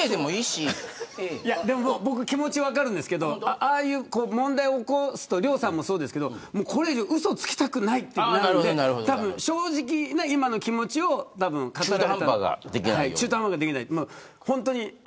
でも、気持ち分かるんですけど問題を起こすと亮さんもそうですけどこれ以上うそをつきたくないとなるんで正直な今の気持ちを中途半端ができない。